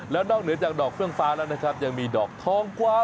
แล้วนอกเหนือจากดอกเฟื่องฟ้าแล้วนะครับยังมีดอกทองกวา